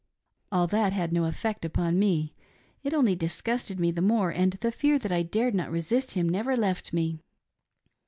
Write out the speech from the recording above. All that had no effect upon me ; it only disgusted me the more, and the fear that I dared not resist him never left me.